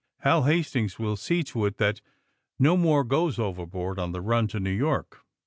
Hal Hastings will see to it that no more goes overboard on the run to New York.